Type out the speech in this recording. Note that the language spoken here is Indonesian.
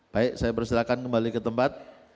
baik saya persilakan kembali ke tempat